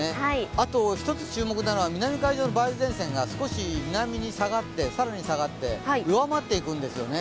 あと一つ注目なのが南海上の梅雨前線が、少し南に更に下がって弱まっていくんですよね。